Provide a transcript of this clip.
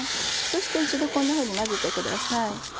そして一度こんなふうに混ぜてください。